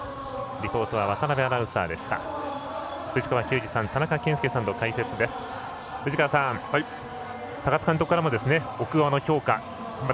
リポートは渡辺アナウンサーでした。